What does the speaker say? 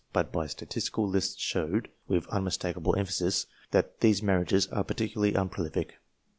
But my statistical lists showed, with unmistakable emphasis, that these marriages are peculiarly unprolific.